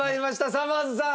さまぁずさん。